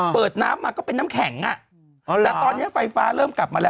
เปิดน้ำมาก็เป็นน้ำแข็งอ่ะแต่ตอนนี้ไฟฟ้าเริ่มกลับมาแล้ว